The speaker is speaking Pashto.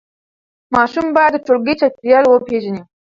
ماشوم باید د ټولګي چاپېریال وپیژني.